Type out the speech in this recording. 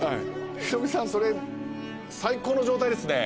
ヒロミさんそれ最高の状態ですね。